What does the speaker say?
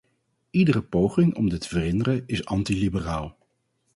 Iedere poging om dit te verhinderen is anti-liberaal.